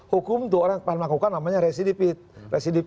hukum itu orang yang pernah melakukan namanya residivis